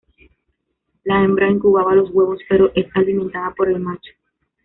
La hembra incuba los huevos, pero es alimentada por el macho.